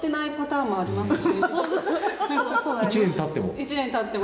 １年たっても？